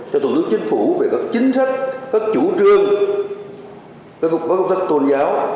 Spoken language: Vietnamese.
cho tổng thống chính phủ về các chính sách các chủ trương các công tác tôn giáo